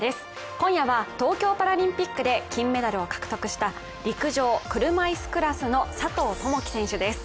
今夜は東京パラリンピックで金メダルを獲得した陸上車いすクラスの佐藤友祈選手です。